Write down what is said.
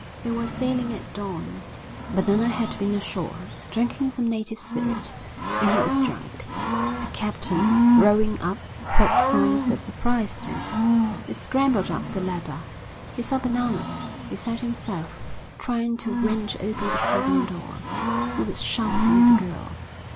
They were sailing at dawn. Bananas had been ashore, drinking some native spirit, and he was drunk. The captain, rowing up, heard sounds that surprised him. He scrambled up the ladder. He saw Bananas, beside himself, trying to wrench open the cabin door. He was shouting at the girl.